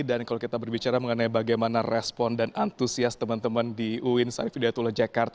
dan kalau kita berbicara mengenai bagaimana respons dan antusias teman teman di uin syarif hidayatullah jakarta